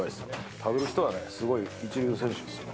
食べる人は、すごい一流選手ですよね。